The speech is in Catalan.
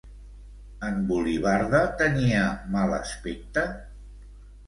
En Volivarda tenia mal aspecte?